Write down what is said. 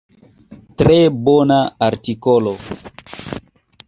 Tre bona artikolo!